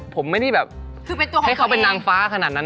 ผมไม่ได้แบบคือให้เขาเป็นนางฟ้าขนาดนั้น